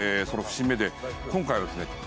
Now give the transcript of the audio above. その節目で今回はですね